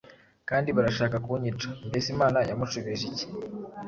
kandi barashaka kunyica.” Mbese Imana yamushubije iki?